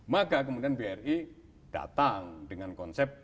maka kemudian bri datang dengan konsep